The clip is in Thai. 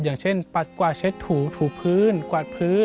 อย่างเช่นปัดกวาดเช็ดถูถูพื้นกวาดพื้น